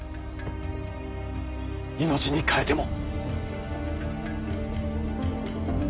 命に代えても。